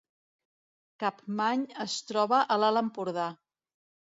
Capmany es troba a l’Alt Empordà